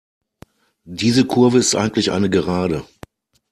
Diese Kurve ist eigentlich eine Gerade.